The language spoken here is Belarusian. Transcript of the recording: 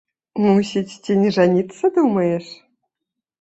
Мусіць, ці не жаніцца думаеш?